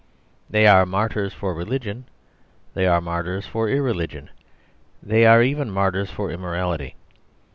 They are martyrs for religion, they are martyrs for irreligion; they are even martyrs for immorality.